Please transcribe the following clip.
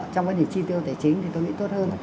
trong vấn đề chi tiêu tài chính thì tôi nghĩ tốt hơn